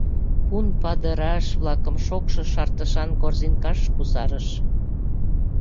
Пун падыраш-влакым шокшо шартышан корзинкаш кусарыш.